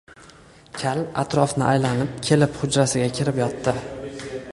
Kal atrofni aylanib kelib hujrasiga kirib yotibdi